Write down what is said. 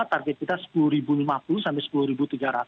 target kita sepuluh lima puluh sampai rp sepuluh tiga ratus